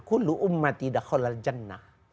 qulu ummat tidak khalal jannah